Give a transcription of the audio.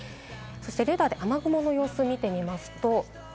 レーダーで雨雲の様子を見てみます。